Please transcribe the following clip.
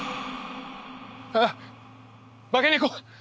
あっ化け猫！